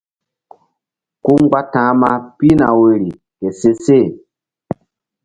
Ku mgba ta̧hma pihna woyri ke seseh.